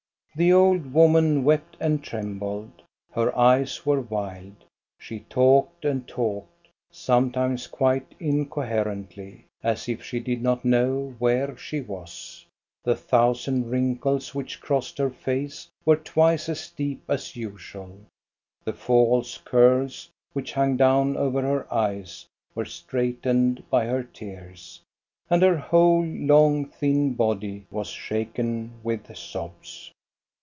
The old woman wept and trembled. Her eyes were wild. She talked and talked, sometimes quite incoherently, as if she did not know where she was. The thousand wrinkles which crossed her face were twice as deep as usual, the false curls, which hung down over her eyes, were straightened by her tears, and her whole long, thin body was shaken with sobs.